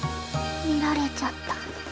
見られちゃった。